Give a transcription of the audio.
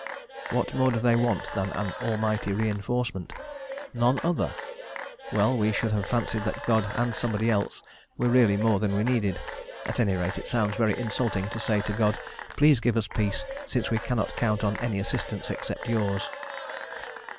What more do they want than an almighty reinforcement? "None other?" Well, we should have fancied that God and somebody else were really more than were needed. At any rate it sounds very insulting to say to God, "please give us peace, since we cannot count on any assistance except yours."